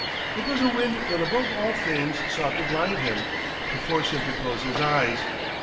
It was a wind that above all things sought to blind him, to force him to close his eyes.